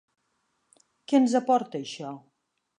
Què ens aporta això?